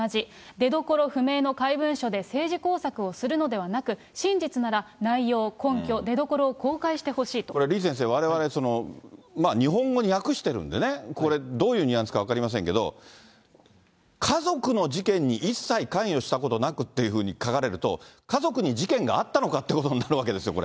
出どころ不明の怪文書で、政治工作をするのではなく、真実なら、内容、根拠、これ李先生、われわれ、日本語に訳してるんでね、これ、どういうニュアンスか分かりませんけれども、家族の事件に一切関与したことなくっていうふうに書かれると、家族に事件があったのかってことになるわけですよ、これ。